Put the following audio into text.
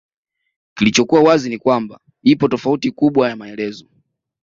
Kilichokuwa wazi ni kwamba ipo tofauti kubwa ya maelezo